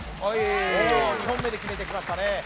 ２本目で決めてきましたね